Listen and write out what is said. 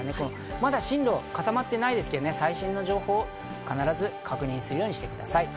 まだ進路は固まっていないですけど最新の情報を必ず確認するようにしてください。